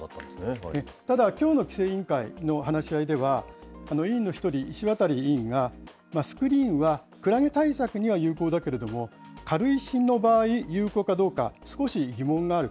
ただ、きょうの規制委員会の話し合いでは、委員の一人、石渡委員が、スクリーンはくらげ対策には有効だけれども、軽石の場合有効かどうか、少し疑問がある。